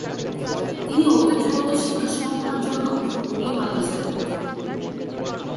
তিনি ঐতিহ্যগত শিক্ষা সমাপনের জন্য হুগলী মাদ্রাসায় ভর্তি হন।